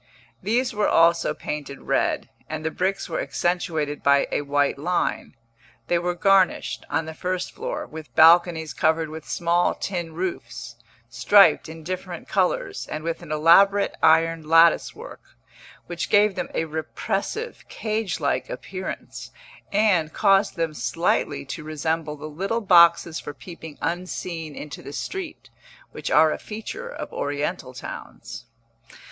These were also painted red, and the bricks were accentuated by a white line; they were garnished, on the first floor, with balconies covered with small tin roofs, striped in different colours, and with an elaborate iron lattice work, which gave them a repressive, cage like appearance, and caused them slightly to resemble the little boxes for peeping unseen into the street, which are a feature of oriental towns.